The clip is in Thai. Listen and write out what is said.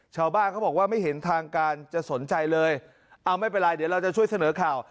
ชาวบ้านเขาบอกว่าไม่เห็นทางการจะสนใจเลยเอาไม่เป็นไรเดี๋ยวเราจะช่วยเสนอข่าว